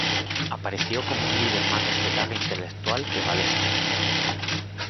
Apareció como un líder más respetable e intelectual que Wałęsa.